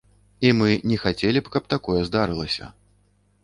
І мы не хацелі б, каб такое здарылася.